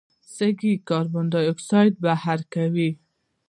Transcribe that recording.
سږي کاربن ډای اکساید بهر کوي.